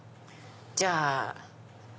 じゃあ。